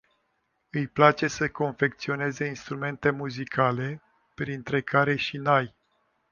Îi place să confecționeze instrumente muzicale, printre care și nai.